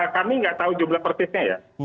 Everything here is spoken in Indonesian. kami nggak tahu jumlah persisnya ya